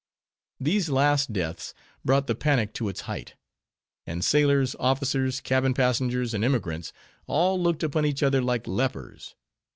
These last deaths brought the panic to its height; and sailors, officers, cabin passengers, and emigrants—all looked upon each other like lepers.